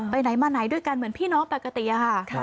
ไปไหนมาไหนด้วยกันเหมือนพี่น้องปกติค่ะ